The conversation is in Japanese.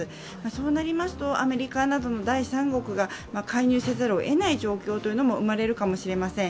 そうなりますと、アメリカなどの第三国が介入せざるをえない状況も生まれるかもしれません。